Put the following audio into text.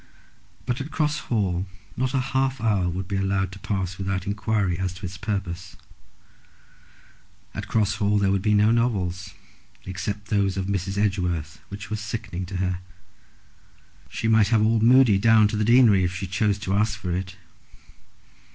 But at Cross Hall not a half hour would be allowed to pass without enquiry as to its purpose. At Cross Hall there would be no novels, except those of Miss Edgeworth, which were sickening to her. She might have all Mudie down to the deanery if she chose to ask for it.